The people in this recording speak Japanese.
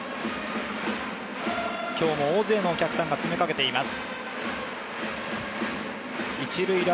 今日も大勢のお客さんが詰めかけています。